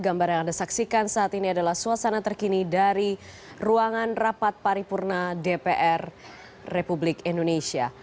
gambar yang anda saksikan saat ini adalah suasana terkini dari ruangan rapat paripurna dpr republik indonesia